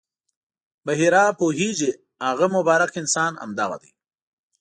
بحیرا پوهېږي هغه مبارک انسان همدغه دی.